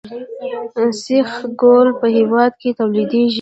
سیخ ګول په هیواد کې تولیدیږي